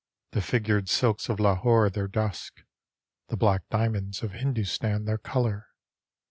The figured silks of Lahore their dusk, The black diamonds of Hindustan their colour.